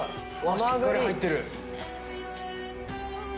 しっかり入ってる。